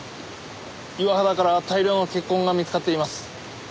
岩肌から大量の血痕が見つかっています。